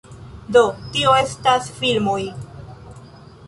Do, tio estas filmoj